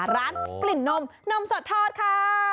ร้านกลิ่นนมนมสดทอดค่ะ